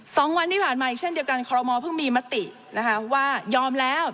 สองวันที่ผ่านมาอีกเช่นเดียวกันคอรมอเพิ่งมีมตินะคะว่ายอมแล้ว